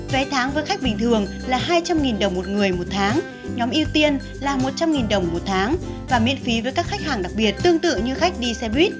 vé tháng với khách bình thường là hai trăm linh đồng một người một tháng nhóm ưu tiên là một trăm linh đồng một tháng và miễn phí với các khách hàng đặc biệt tương tự như khách đi xe buýt